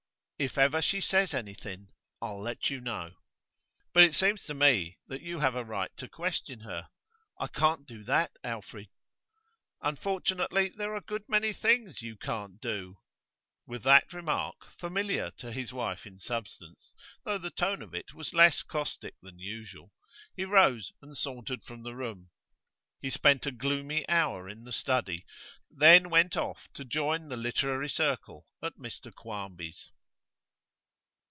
'If ever she says anything, I'll let you know.' 'But it seems to me that you have a right to question her.' 'I can't do that, Alfred.' 'Unfortunately, there are a good many things you can't do.' With that remark, familiar to his wife in substance, though the tone of it was less caustic than usual, he rose and sauntered from the room. He spent a gloomy hour in the study, then went off to join the literary circle at Mr Quarmby's.